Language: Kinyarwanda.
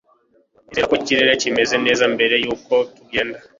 nizere ko ikirere kimeze neza mbere yuko tugenda